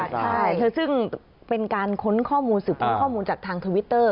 ใช่ซึ่งเป็นการค้นข้อมูลสืบค้นข้อมูลจากทางทวิตเตอร์